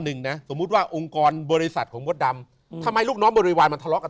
หนึ่งนะสมมุติว่าองค์กรบริษัทของมดดำอืมทำไมลูกน้องบริวารมันทะเลาะกัน